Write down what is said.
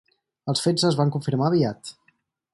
Els fets es van confirmar aviat.